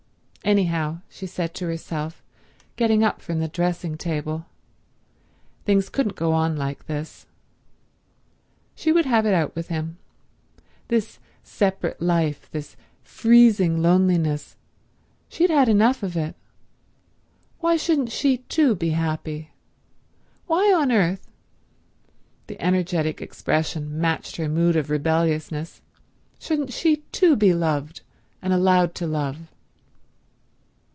Anyhow, she said to herself, getting up from the dressing table, things couldn't go on like this. She would have it out with him. This separate life, this freezing loneliness, she had had enough of it. Why shouldn't she too be happy? Why on earth—the energetic expression matched her mood of rebelliousness—shouldn't she too be loved and allowed to love?